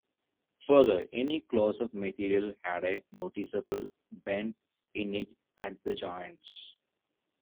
Further, any close-up material had a noticeable bend in it at the joins.